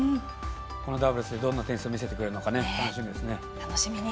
このダブルスどんなテニスを見せてくれるのか楽しみですね。